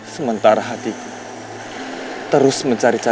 sementara hatiku terus mencari cara